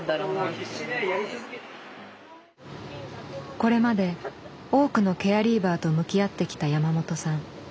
これまで多くのケアリーバーと向き合ってきた山本さん。